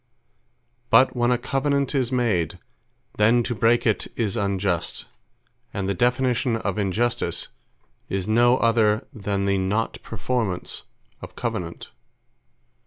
But when a Covenant is made, then to break it is Unjust: And the definition of INJUSTICE, is no other than The Not Performance Of Covenant.